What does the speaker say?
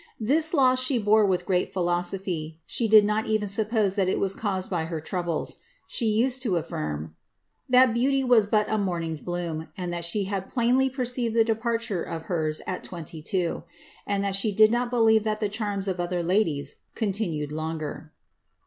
This loss she bore with great philosophy; ibe did not even suppose that it was caused by her troubles. She was used to affirm^ ^ That beauty was but a morning^s bloom, and that she hid plainly perceived the departure of hers at twenty two ; and that she did not believe that the charms of other ladies continued longer."